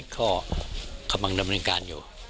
ก็กำลังดำเนินการอยู่